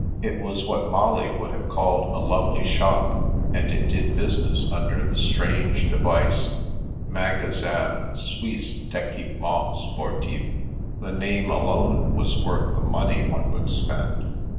It was what Molly would have called a " lovely " shop, and it did business under the strange device :" Magasin Suisse d'Equipment Sportif." The name alone was worth the money one would spend.